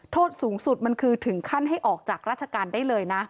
โทษสูงสุดมันคือถึงขั้นให้ออกจากราชการได้เลยนะ